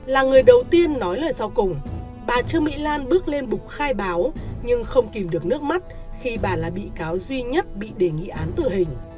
là người đầu tiên nói lời sau cùng bà trương mỹ lan bước lên bục khai báo nhưng không kìm được nước mắt khi bà là bị cáo duy nhất bị đề nghị án tù hình